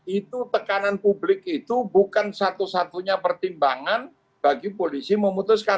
itu tekanan publik itu bukan satu satunya pertimbangan bagi polisi memutuskan